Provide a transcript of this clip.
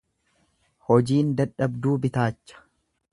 Hojiin dadhabduu bitaacha.